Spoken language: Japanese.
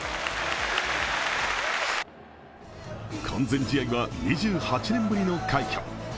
完全試合は２８年ぶりの快挙。